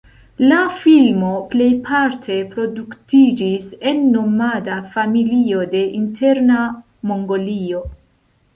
La filmo plejparte produktiĝis en nomada familio de Interna Mongolio.